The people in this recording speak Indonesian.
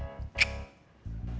gue gak tahu